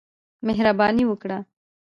مهرباني وکړه.